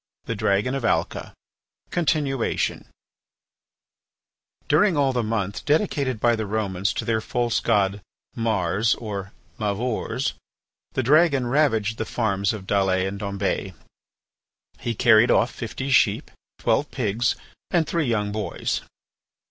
THE DRAGON OF ALCA (Continuation) During all the month dedicated by the Romans to their false god Mars or Mavors, the dragon ravaged the farms of Dalles and Dombes. He carried off fifty sheep, twelve pigs, and three young boys.